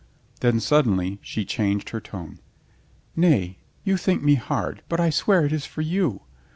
Then suddenly she changed her tone. "Nay, you think me hard, but I swear it is for you.